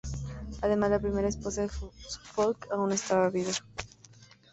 Además, la primera esposa de Suffolk aún estaba viva.